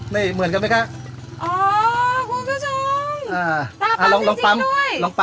เหมือนกันไหมคะ